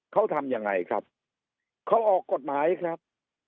เขาทำยังไงครับเขาออกกฎหมายครับ